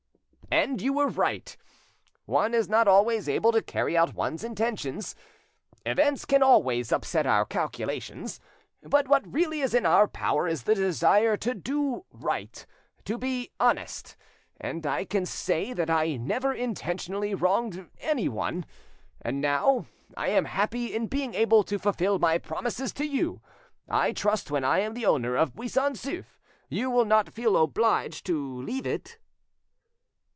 "And you were right. One is not always able to carry out one's intentions; events can always upset our calculations; but what really is in our power is the desire to do right—to be honest; and I can say that I never intentionally wronged anyone. And now. I am happy in being able to fulfil my promises to you. I trust when I am the owner of Buisson Souef you will not feel obliged to leave it."